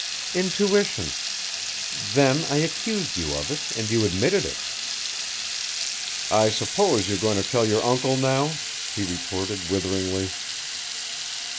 "Intuition. Then I accused you of it, and you admitted it." "I suppose you're going to tell your uncle now," he retorted witheringly.